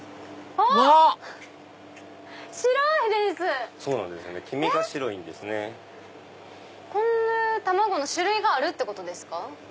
こういう卵の種類があるってことですか？